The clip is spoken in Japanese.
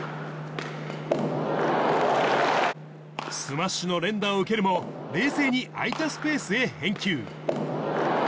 スマッシュの連打を受けるも、冷静に空いたスペースへ返球。